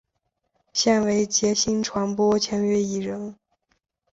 现为杰星传播签约艺人。